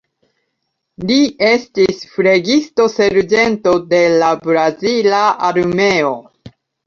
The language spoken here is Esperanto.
Li estis flegisto-serĝento de la brazila armeo.